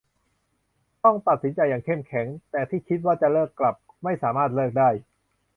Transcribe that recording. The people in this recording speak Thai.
ต้องตัดสินใจอย่างเข้มแข็ง แต่ที่คิดว่าจะเลิกกลับไม่สามารถเลิกได้